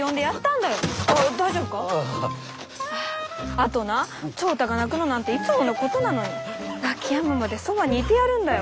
あとな長太が泣くのなんていつものことなのに泣きやむまでそばにいてやるんだよ。